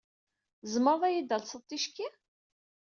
Tzemreḍ ad iyi-d-talseḍ ticki?